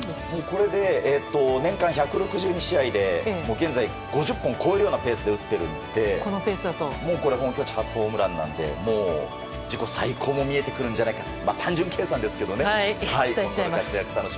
これで、年間１６２試合で現在、５０本を超えるようなペースで打っているのでこれが本拠地初ホームランなので自己最高も見えてくるんじゃないかと。